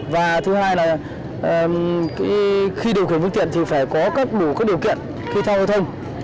và thứ hai là khi điều khiển vực tiện thì phải có đủ các điều kiện khi theo hội thông